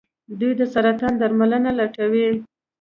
دوی د سرطان درملنه لټوي.